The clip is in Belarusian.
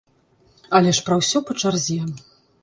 Але ж пра ўсё па чарзе.